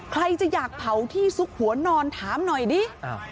ใครจะอยากเผาที่ซุกหัวนอนถามหน่อยดิ